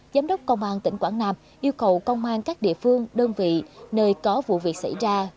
giám đốc công an tỉnh quảng nam yêu cầu công an các địa phương đơn vị nơi có vụ việc xảy ra